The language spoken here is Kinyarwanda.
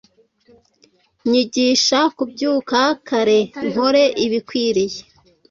Nyigisha kubyuka kare nkore ibikwiriye